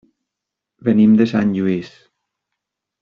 Venim de Sant Lluís.